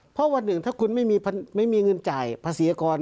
เพราะวันหนึ่งถ้าคุณไม่มีเงินจ่ายภาษีอากร